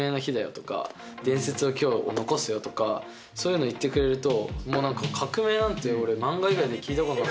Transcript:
精一杯のそういうの言ってくれると。